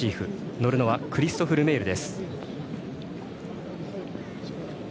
乗るのはクリストフ・ルメール。